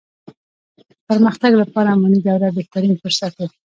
د پرمختګ لپاره اماني دوره بهترين فرصت وو.